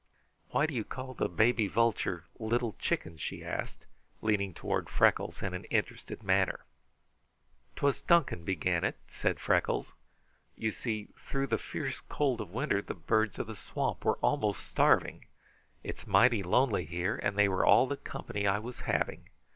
"Why do you call the baby vulture 'Little Chicken'?" she asked, leaning toward Freckles in an interested manner. "'Twas Duncan began it," said Freckles. "You see, through the fierce cold of winter the birds of the swamp were almost starving. It is mighty lonely here, and they were all the company I was having.